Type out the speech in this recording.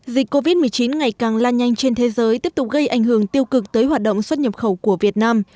dịch covid một mươi chín ngày càng lan nhanh trên thế giới tiếp tục gây ảnh hưởng tiêu cực tới hoạt động xuất nhập khẩu của việt nam